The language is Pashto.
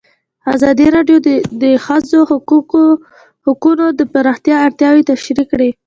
ازادي راډیو د د ښځو حقونه د پراختیا اړتیاوې تشریح کړي.